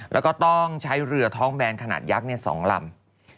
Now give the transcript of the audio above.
แล้วก็ต้องใช้เรือท้องแบนขนาดยักษ์๒ลำ